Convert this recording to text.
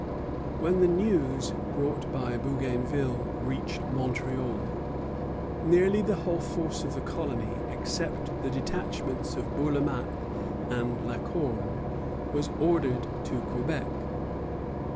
When the news brought by Bougainville reached Montreal, nearly the whole force of the colony, except the detachments of Bourlamaque and La Corne, was ordered to Quebec.